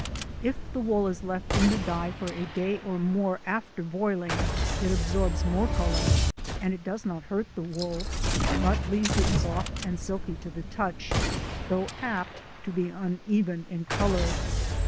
If the wool is left in the dye for a day or more after boiling it absorbs more colour, and it does not hurt the wool but leaves it soft and silky to the touch, though apt to be uneven in colour.